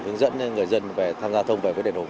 hướng dẫn người dân tham gia thông về với đền hồ